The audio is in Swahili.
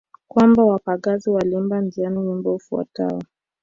Kwamba wapagazi waliimba njiani wimbo ufuatao